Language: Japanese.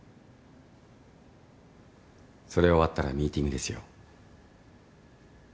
それ終わったらミーティングですよ。